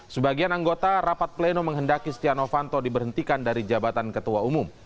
sebagian anggota rapat pleno menghendaki setia novanto diberhentikan dari jabatan ketua umum